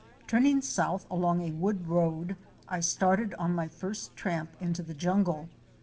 Turning south along a wood road, I started on my first tramp into the jungle.